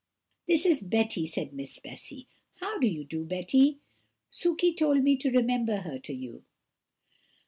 "That is Betty," said Miss Bessy. "How do you do, Betty? Sukey told me to remember her to you."